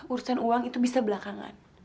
urusan uang itu bisa belakangan